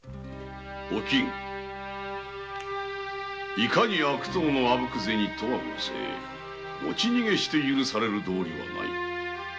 いかに悪党のアブク銭とは申せ持ち逃げして許される道理はない。